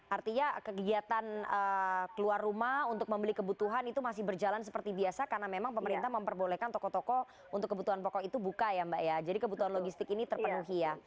artinya kegiatan keluar rumah untuk membeli kebutuhan itu masih berjalan seperti biasa karena memang pemerintah memperbolehkan toko toko untuk kebutuhan pokok itu buka ya mbak ya jadi kebutuhan logistik ini terpenuhi ya